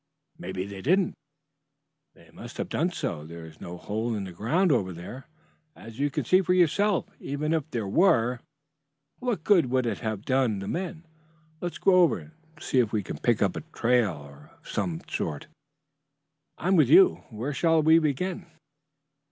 "Maybe they didn't." "They must have done so. There is no hole in the ground over there, as you can see for yourself. Even if there were, what good would it have done the men? Let's go over and see if we can pick up a trail of some sort." "I'm with you. Where shall we begin?"